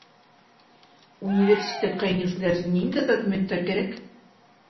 Университетҡа инеүселәр өсөн ниндәй документтар кәрәк?